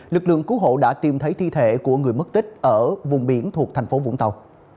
lực lượng cứu hộ đã tìm thấy thi thể của người mất tích ở vùng biển thuộc thành phố vũng tàu